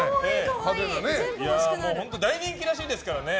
大人気らしいですからね。